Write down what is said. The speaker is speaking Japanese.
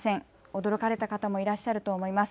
驚かれた方もいらっしゃると思います。